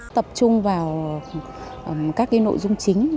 tập trung vào các nội dung chính